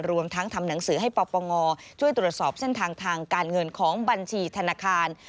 รวมทั้งทำหนังสือให้ปปงช่วยตรวจสอบเส้นทางทางการเงินของบัญชีธนาคาร